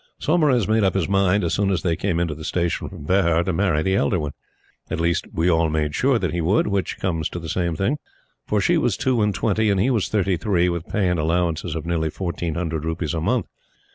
Saumarez made up his mind, as soon as they came into the station from Behar, to marry the elder one. At least, we all made sure that he would, which comes to the same thing. She was two and twenty, and he was thirty three, with pay and allowances of nearly fourteen hundred rupees a month.